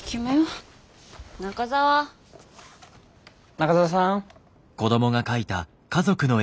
中澤さん。